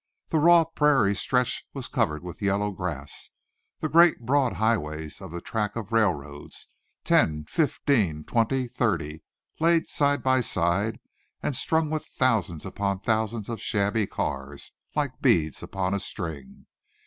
The raw prairie stretch was covered with yellow grass; the great broad highways of the tracks of railroads, ten, fifteen, twenty, thirty, laid side by side and strung with thousands upon thousands of shabby cars, like beads upon a string.